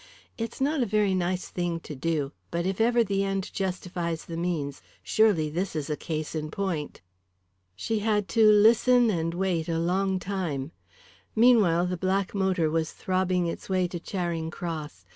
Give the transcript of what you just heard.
It's not a very nice thing to do, but if ever the end justifies the means, surely this is a case in point." She had to listen and wait a long time. Meanwhile the black motor was throbbing its way to Charing Cross.